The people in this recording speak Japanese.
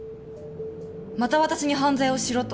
また私に犯罪をしろと？